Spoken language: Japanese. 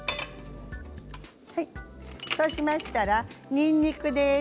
そうしましたら、にんにくです。